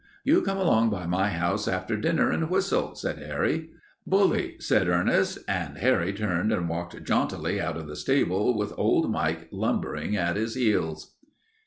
You come along by my house after dinner and whistle," said Harry. "Bully," said Ernest, and Harry turned and walked jauntily out of the stable with old Mike lumbering at his heels.